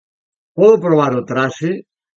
Podo probar o traxe?